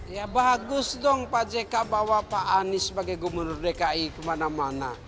ya bagus dong pak jk bawa pak anies sebagai gubernur dki kemana mana